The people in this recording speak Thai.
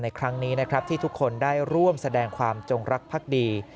ครั้งนี้นะครับที่ทุกคนได้ร่วมแสดงความจงรักภักดี